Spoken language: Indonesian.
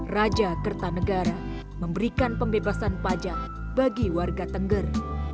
raja kertanegara memberikan pembebasan pajak bagi warga tengger